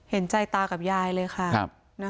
เห็นใจตากับยายเลยค่ะ